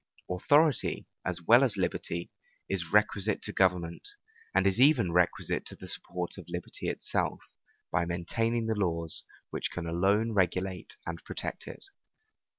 Authority, as well as liberty, is requisite to government; and is even requisite to the support of liberty itself, by maintaining the laws, which can alone regulate and protect it.